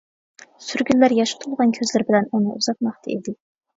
سۈرگۈنلەر ياشقا تولغان كۆزلىرى بىلەن ئۇنى ئۇزاتماقتا ئىدى.